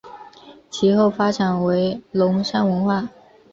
其后发展为龙山文化。